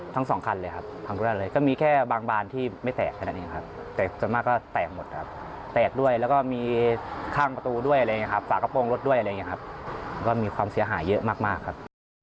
ทั้งสองคันเลยครับครั้งแรกเลยก็มีแค่บางบานที่ไม่แตกขนาดนี้ครับแต่ส่วนมากก็แตกหมดครับแตกด้วยแล้วก็มีข้างประตูด้วยอะไรอย่างนี้ครับฝากระโปรงรถด้วยอะไรอย่างนี้ครับก็มีความเสียหายเยอะมากครับ